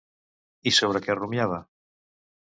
I sobre què rumiava?